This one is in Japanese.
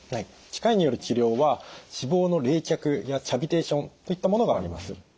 機械による治療は脂肪の冷却やキャビテーションといったものがあります。